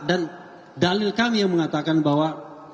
dan dalil kami yang mengatakan bahwa